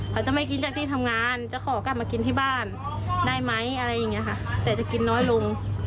เขาจะไม่กินจากที่ทำงานจะขอกลับมากินที่บ้านได้ไหมอะไรอย่างนี้ค่ะแต่จะกินน้อยลง